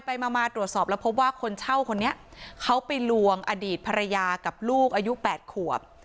ไปมาตรวจสอบแล้วพบว่าคนเช่าคนนี้เขาไปลวงอดีตภรรยากับลูกอายุ๘ขวบ